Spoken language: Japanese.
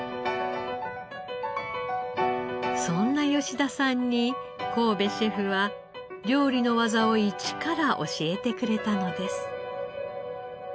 そんな吉田さんに神戸シェフは料理の技を一から教えてくれたのです。